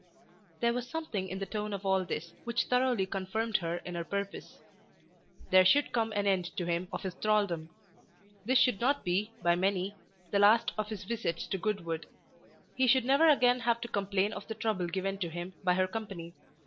There was something in the tone of all this which thoroughly confirmed her in her purpose. There should come an end to him of his thraldom. This should not be, by many, the last of his visits to Goodwood. He should never again have to complain of the trouble given to him by her company.